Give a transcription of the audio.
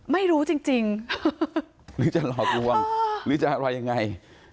หรือจะหลอกลวงหรือจะอะไรยังไง